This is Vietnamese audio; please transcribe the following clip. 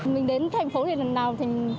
mình đến thành phố thì lần nào